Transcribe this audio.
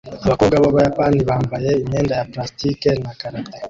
Abakobwa b'Abayapani bambaye imyenda ya plastike na karate